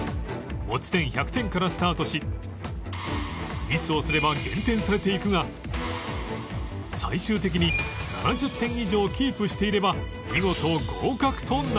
持ち点１００点からスタートしミスをすれば減点されていくが最終的に７０点以上キープしていれば見事合格となる